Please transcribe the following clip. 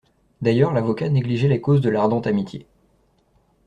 D'ailleurs l'avocat négligeait les causes de l'Ardente Amitié.